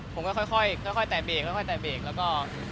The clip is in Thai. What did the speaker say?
ผมก็ค่อยแตะเบรกค่อยแตะเบรกแล้วก็